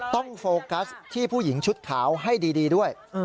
โฟกัสที่ผู้หญิงชุดขาวให้ดีด้วย